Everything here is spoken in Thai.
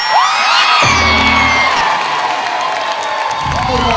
ร้องได้ให้ร้อง